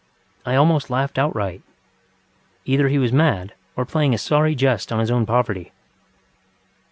I almost laughed outright. Either he was mad or playing a sorry jest on his own poverty.